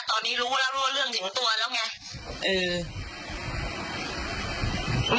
ตอนนี้รู้แล้วรู้ว่าเรื่องถึงตัวแล้วไง